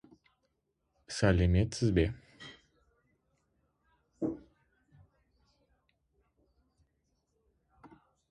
Elgood later served as chairman of the Ruislip-Northwood Urban District Council.